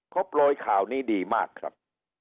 เขาโปรยข่าวนี้ดีมากครับ